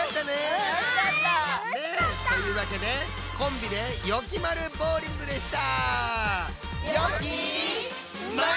うんたのしかった！というわけで「コンビでよきまるボウリング！」でした！